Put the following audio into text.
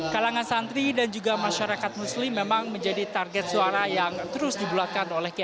kalangan santri dan juga masyarakat muslim memang menjadi target suara yang terus dibuatkan oleh kiai